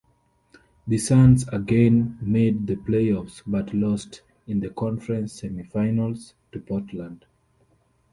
The Suns again made the playoffs, but lost in the conference semifinals to Portland.